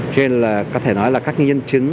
cho nên là có thể nói là các nhân chứng